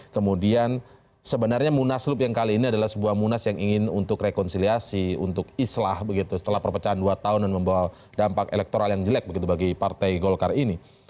kemudian sebenarnya munaslup yang kali ini adalah sebuah munas yang ingin untuk rekonsiliasi untuk islah begitu setelah perpecahan dua tahun dan membawa dampak elektoral yang jelek begitu bagi partai golkar ini